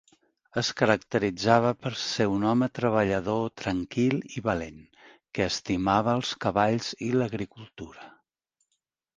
Es caracteritzava per ser un home treballador tranquil i valent, que estimava els cavalls i l'agricultura.